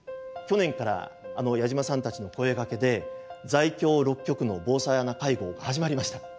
去年から矢島さんたちの声がけで在京６局の防災アナ会合が始まりました。